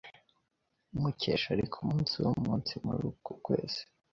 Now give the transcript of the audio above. Mukesha ari kumunsi wumunsi muri uku kwezi.